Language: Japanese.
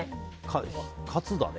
カツだね。